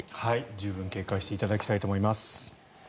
十分警戒していただきたいと思います。